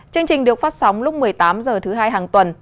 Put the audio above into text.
chương trình được phát sóng lúc một mươi tám h thứ hai hàng tuần